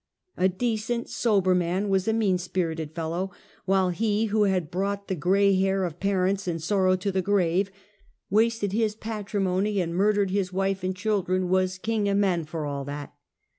A decent, sober man was a mean spirited fel low; while he who had brought the grey hair of par ents in sorrow to the grave, wasted his patrimony and murdered his wife and children, was *' King o' men for a' that."